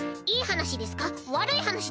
悪い話ですか？